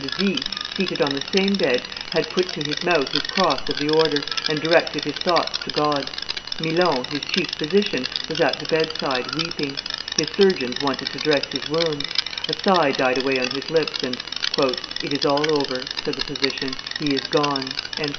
de Vie, seated on the same bed, had put to his mouth his cross of the order, and directed his thoughts to God; Milon, his chief physician, was at the bedside, weeping: his surgeons wanted to dress his wounds; a sigh died away on his lips, and "It is all over," said the physician; "he is gone."